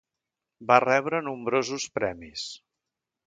Va rebre nombrosos premis.